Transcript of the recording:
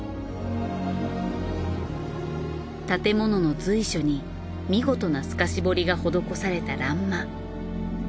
建物の随所に見事な透かし彫りが施された欄間。